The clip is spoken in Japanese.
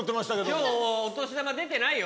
今日お年玉出てないよ。